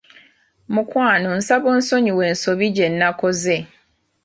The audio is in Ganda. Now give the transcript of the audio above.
Mukwano nsaba onsonyiwe ensobi gye nakoze.